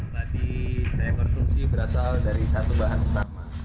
tadi saya konsumsi berasal dari satu bahan utama